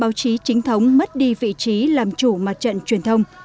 báo chí trinh thống cũng mất đi vị trí làm chủ mặt trận truyền thông